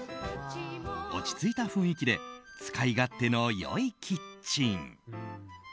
落ち着いた雰囲気で使い勝手の良いキッチン。